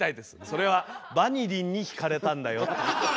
「それはバニリンに引かれたんだよ」。